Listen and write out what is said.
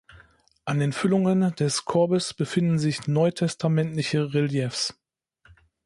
An den Füllungen des "Korbes" befinden sich neutestamentliche Reliefs.